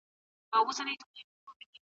ما د ملي هندارې کتاب اخیستی دی.